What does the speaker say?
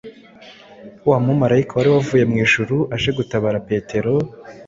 Wa mumarayika wari wavuye mu ijuru aje gutabara Petero,